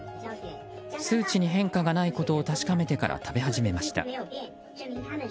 数値に変化がないことを確かめてから食べ始めました。